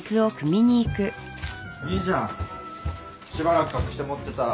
いいじゃんしばらく隠して持ってたら。